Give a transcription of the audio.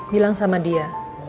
bilang sama dia